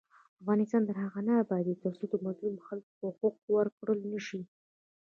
افغانستان تر هغو نه ابادیږي، ترڅو د مظلومو خلکو حقونه ورکړل نشي.